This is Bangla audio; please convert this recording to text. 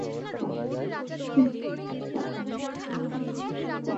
তিনি দ্বাদশ দলাই লামার শিক্ষক হিসেবে দায়িত্ব গ্রহণ করেন।